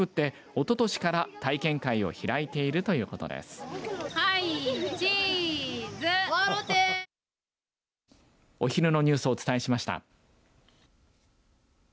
お昼のニュースをお伝えしました。